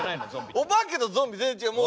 お化けとゾンビ全然違う。